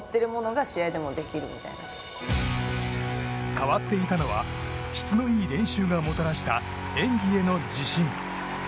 変わっていたのは質のいい練習がもたらした演技への自信。